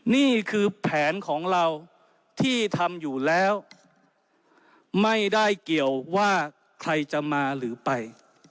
นี่คือแผนของเราที่ทำอยู่แล้วไม่ได้เกี่ยวว่าใครจะมาหรือไป